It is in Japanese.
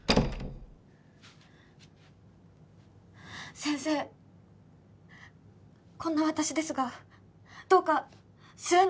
先生こんな私ですがどうか末永